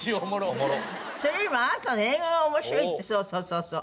それよりもあなたの英語が面白いってそうそうそうそう。